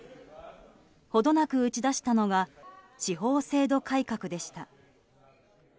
程なく打ち出したのが司法制度改革でした。